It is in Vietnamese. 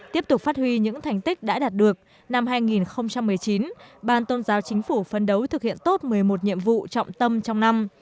tiếp tục phát huy những thành tích đã đạt được năm hai nghìn một mươi chín ban tôn giáo chính phủ phấn đấu thực hiện tốt một mươi một nhiệm vụ trọng tâm trong năm